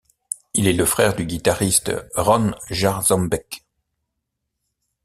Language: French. Il est le frère du guitariste Ron Jarzombek.